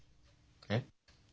えっ？